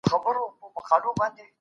دولت د کار روزنې پروګرامونه پیاوړي کوي.